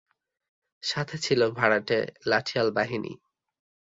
সাথে ছিল ভাড়াটে লাঠিয়াল বাহিনী।